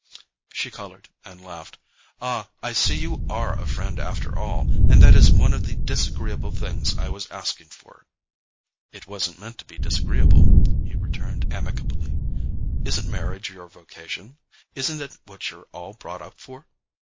She coloured and laughed. "Ah, I see you ARE a friend after all, and that is one of the disagreeable things I was asking for." "It wasn't meant to be disagreeable," he returned amicably. "Isn't marriage your vocation? Isn't it what you're all brought up for?"